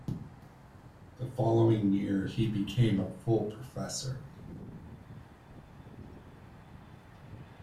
The following year he became a full professor.